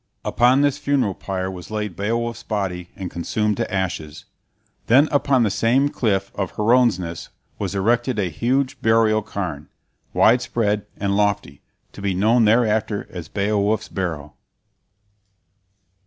Upon this funeral pyre was laid Beowulf's body and consumed to ashes. Then, upon the same cliff of Hronesness, was erected a huge burial cairn, wide spread and lofty, to be known thereafter as Beowulf's Barrow.